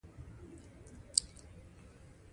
هدف یې د کفارو تر لاس لاندې هیوادونو آزادول وو.